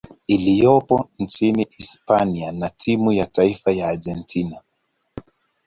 iliyopo nchini Hispania na timu ya taifa ya Argentina.